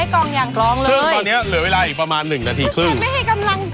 คือตอนนี้เหลือเวลาอีกประมาณ๑นาทีซึ่งทำไมไม่ให้กำลัง